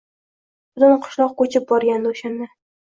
Butun qishloq ko`chib borgandi o`shanda